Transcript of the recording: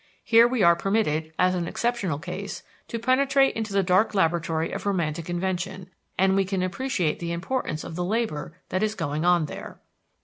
Here we are permitted, as an exceptional case, to penetrate into the dark laboratory of romantic invention, and we can appreciate the importance of the labor that is going on there.